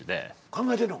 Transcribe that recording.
考えてんの？